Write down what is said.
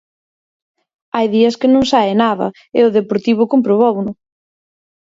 Hai días que non sae nada e o Deportivo comprobouno.